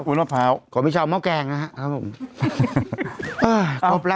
ขอให้พี่ชาวมากแกงนะครับผมเออครบแล้วเดี๋ยว